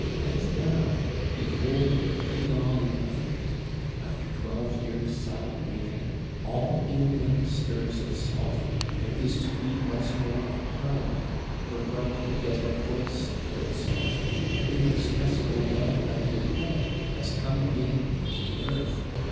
And now behold the dawn of it; after twelve years' silent waiting, all England stirs itself; there is to be once more a Parliament, the Right will get a voice for itself: inexpressible well grounded hope has come again into the Earth.